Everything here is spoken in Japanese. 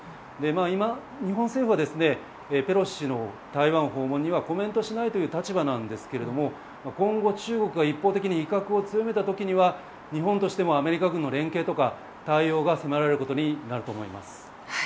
今、日本政府はペロシ氏の台湾訪問にはコメントしないという立場なんですけれども今後、中国が一方的に威嚇を強めた時には日本としてもアメリカ軍との連携など対応が迫られることになると思います。